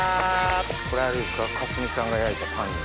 これはあれですか香澄さんが焼いたパン。